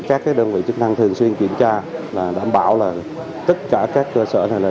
các đơn vị chức năng thường xuyên kiểm tra đảm bảo là tất cả các cơ sở này